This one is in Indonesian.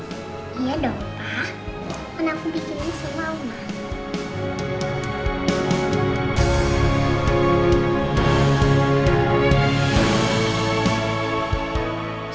kan aku bikinin sama mama